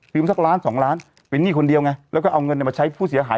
สักล้านสองล้านเป็นหนี้คนเดียวไงแล้วก็เอาเงินมาใช้ผู้เสียหาย